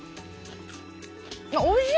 おいしい！